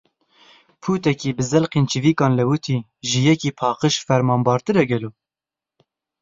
Pûtekî bi zelqên çivîkan lewitî, ji yekî paqij fermanbartir e gelo?